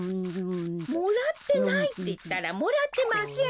・もらってないっていったらもらってません！